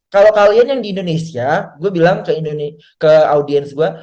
kalau kalian yang di indonesia gue bilang ke audiens gue